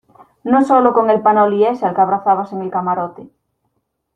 no solo con el panoli ese al que abrazabas en el camarote.